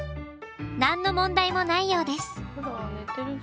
何の問題もないようです！